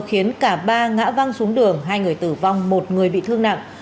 khiến cả ba ngã văng xuống đường hai người tử vong một người bị thương nặng